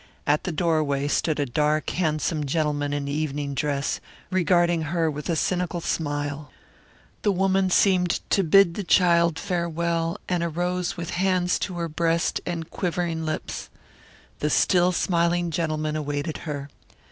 At the doorway stood a dark, handsome gentleman in evening dress, regarding her with a cynical smile. The woman seemed to bid the child farewell, and arose with hands to her breast and quivering lips. The still smiling gentleman awaited her.